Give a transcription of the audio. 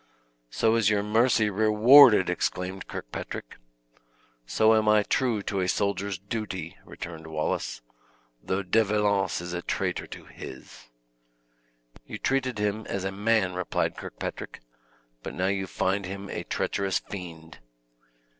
"So is your mercy rewarded!" exclaimed Kirkpatrick. "So am I true to a soldier's duty," returned Wallace, "though De Valence is a traitor to his!" "You treated him as a man," replied Kirkpatrick, "but now you find him a treacherous fiend!"